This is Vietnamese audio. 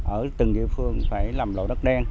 ở từng địa phương phải làm lộ đất đen